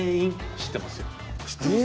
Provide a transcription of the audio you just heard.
知ってますか？